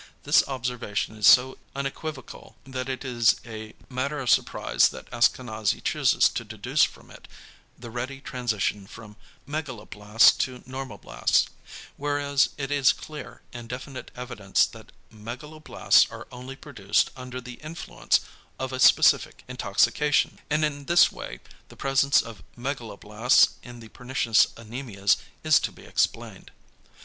This observation is so unequivocal, that it is a matter of surprise that Askanazy chooses to deduce from it, the ready transition from megaloblasts to normoblasts; whereas it is clear and definite evidence that =megaloblasts are only produced under the influence of a specific intoxication=. And in this way the presence of megaloblasts in the pernicious anæmias is to be explained.